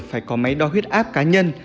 phải có máy đo huyết áp cá nhân